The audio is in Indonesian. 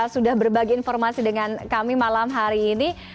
sudah berbagi informasi dengan kami malam hari ini